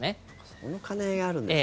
その兼ね合いがあるんですね。